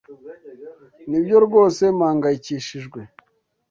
Nibyo rwose mpangayikishijwe.